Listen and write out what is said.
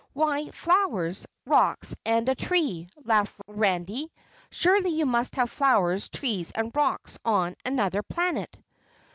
"Why, flowers, rocks and a tree," laughed Randy. "Surely you must have flowers, trees and rocks on Anuther Planet."